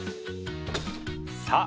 さあ